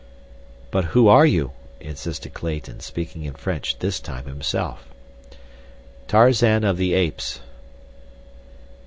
"But who are you?" insisted Clayton, speaking in French this time himself. "Tarzan of the Apes."